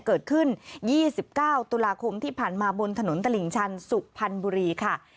เกิดขึ้นยี่สิบเก้าตุลาคมที่ผ่านมาบนถนนตลิงชันสุขพันธ์บุรีค่ะ